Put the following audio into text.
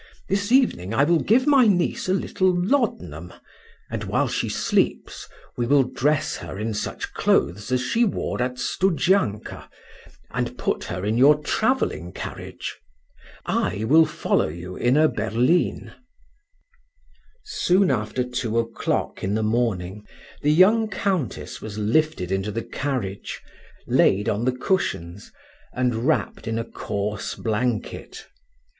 This evening I will give my niece a little laudanum, and while she sleeps, we will dress her in such clothes as she wore at Studzianka, and put her in your traveling carriage. I will follow you in a berline." Soon after two o'clock in the morning, the young Countess was lifted into the carriage, laid on the cushions, and wrapped in a coarse blanket.